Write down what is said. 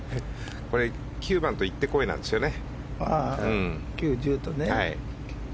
９番といってこいなんですよね。